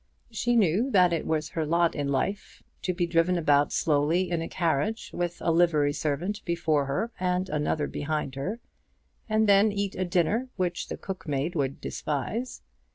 She knew that it was her lot to be driven about slowly in a carriage with a livery servant before her and another behind her, and then eat a dinner which the cook maid would despise.